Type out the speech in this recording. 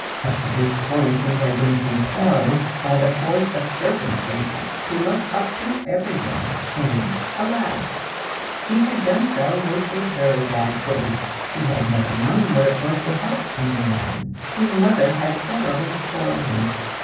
Up to this point he had been compelled by the force of circumstances to look up to everyone and, alas! he had done so with a very bad grace. He had never known what it was to help any one. His mother had thoroughly spoiled him.